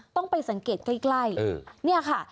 ต้องไปสังเกตใกล้เนี่ยค่ะ